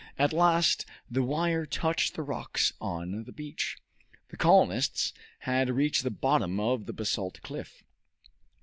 At last the wire touched the rocks on the beach. The colonists had reached the bottom of the basalt cliff.